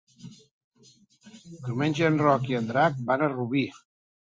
Diumenge en Roc i en Drac van a Rubí.